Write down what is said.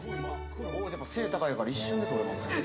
王子背高いから一瞬で取れますね。